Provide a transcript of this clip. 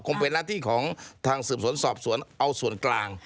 เป็นหน้าที่ของทางสืบสวนสอบสวนเอาส่วนกลาง